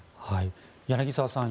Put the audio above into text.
柳澤さん